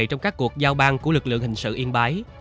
trong các cuộc giao bang của lực lượng hình sự yên bái